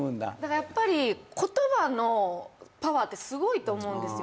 やっぱり言葉のパワーてすごいと思うんですよ。